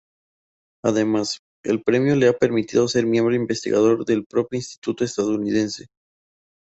Además, el premio le ha permitido ser miembro investigador del propio instituto estadounidense.